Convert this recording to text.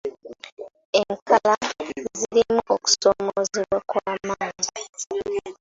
Enkala zirimu okusoomoozebwa kwa maanyi.